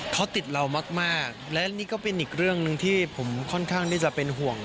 เขาติดเรามากและนี่ก็เป็นอีกเรื่องหนึ่งที่ผมค่อนข้างที่จะเป็นห่วง